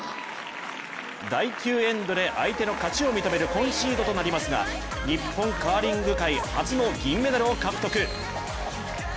第９エンドで相手の勝ちを認めるコンシードとなりますが日本カーリング界初の銀メダルを獲得。